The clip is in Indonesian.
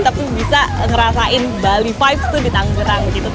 tapi bisa ngerasain bali vibes tuh di tanggerang gitu